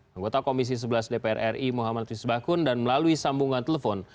anggota komisi sebelas dpr ri muhammad fisbakun dan melalui sambungan telepon